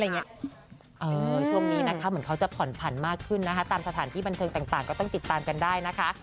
ช่วงนี้นะคะเหมือนเขาจะผ่อนผันมากขึ้นนะคะตามสถานที่บันเทิงต่างก็ต้องติดตามกันได้นะคะ